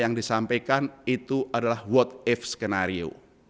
yang disampaikan itu adalah what if skenario